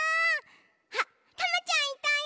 あっタマちゃんいたよ！